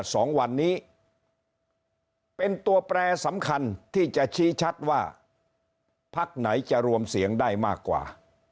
สองวันนี้เป็นตัวแปรสำคัญที่จะชี้ชัดว่าพักไหนจะรวมเสียงได้มากกว่า